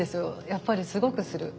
やっぱりすごくする。